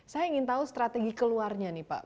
saya ingin tahu strategi keluarnya nih pak